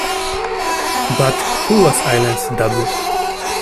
But who was Eileen's double.